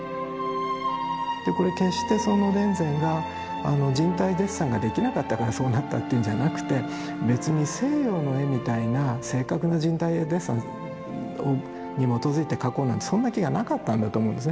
これ決してその田善が人体デッサンができなかったからそうなったっていうんじゃなくて別に西洋の絵みたいな正確な人体デッサンに基づいて描こうなんてそんな気がなかったんだと思うんですね。